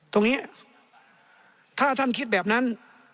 ตรงนี้ถ้าท่านคิดแบบนั้น